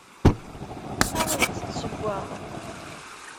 Ad awent-d-ssewweɣ.